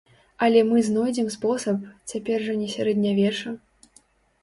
Але мы знойдзем спосаб, цяпер жа не сярэднявечча.